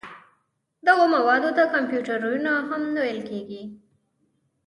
دغو موادو ته کمپوزېټونه هم ویل کېږي.